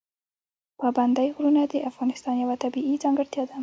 پابندی غرونه د افغانستان یوه طبیعي ځانګړتیا ده.